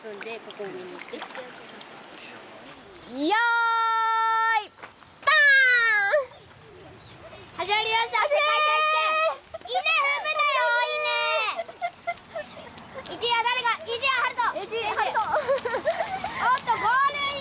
おーっとゴールイン！